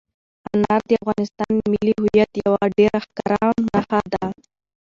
انار د افغانستان د ملي هویت یوه ډېره ښکاره نښه ده.